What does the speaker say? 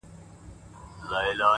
• خداى پاماني كومه؛